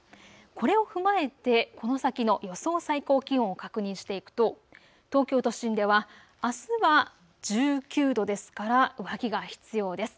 これを踏まえてこの先の予想最高気温を確認していくと東京都心ではあすは１９度ですから上着が必要です。